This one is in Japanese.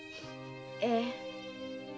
ええ。